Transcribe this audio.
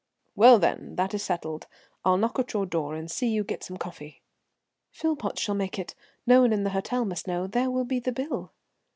"Well, then, that's settled. I'll knock at your door and see you get some coffee." "Philpotts shall make it; no one in the hotel must know. There will be the bill."